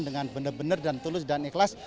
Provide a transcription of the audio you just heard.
dengan benar benar dan tulus dan ikhlas